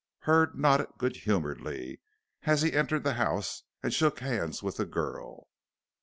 Hurd nodded good humoredly as he entered the house and shook hands with the girl.